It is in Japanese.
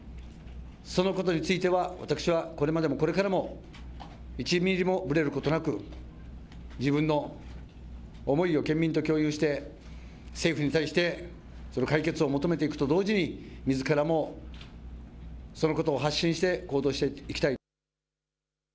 そのことについては私は、これまでも、これからも１ミリもぶれることなく自分の思いを県民と共有して政府に対して解決を求めていくと同時にみずからもそのことを発信して行動していきたい。